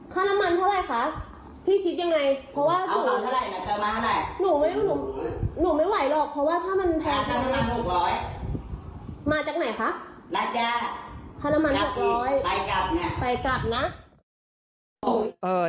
ค่าน้ำมัน๑๐๐บาทไปกลับนะฮะไปกลับอีกไปกลับเนี่ย